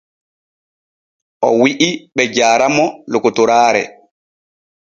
O wi’i be jaara mo lokotoraare.